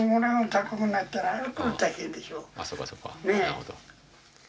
なるほど。